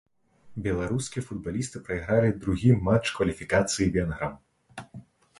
Беларускія футбалісты прайгралі другі матч кваліфікацыі венграм.